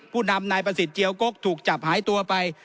ผู้นำนายประสิทธิเจียวกกถูกจับหายตัวไป